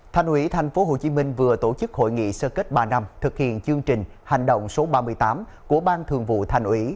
thành ủy tp hcm vừa tổ chức hội nghị sơ kết ba năm thực hiện chương trình hành động số ba mươi tám của ban thường vụ thành ủy